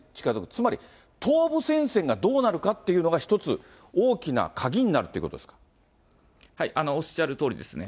つまり、東部戦線がどうなるかっていうのが一つ、大きな鍵になるというこおっしゃるとおりですね。